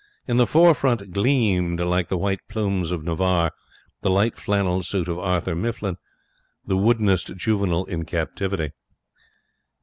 In the forefront gleamed, like the white plumes of Navarre, the light flannel suit of Arthur Mifflin, the woodenest juvenile in captivity.